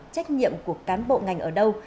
trách nhiệm của cán bộ ngành ở đâu